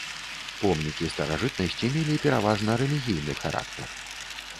Помнікі старажытнасці мелі пераважна рэлігійны характар.